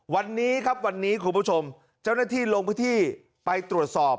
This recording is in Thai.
วันนี้ครับวันนี้คุณผู้ชมเจ้าหน้าที่ลงพื้นที่ไปตรวจสอบ